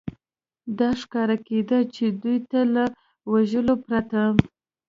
دا ښکاره کېدل، چې دوی ته له وژلو پرته.